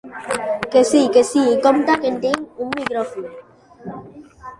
Que sí, que sí, compte que tinc un micròfon.